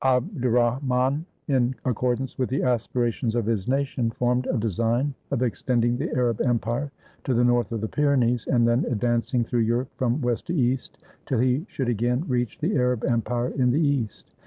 Abderrahman, in accordance with the aspirations of his nation, formed a design of extending the Arab empire to the north of the Pyrenees, and then advancing through Europe from west to east till he should again reach the Arab empire in the east.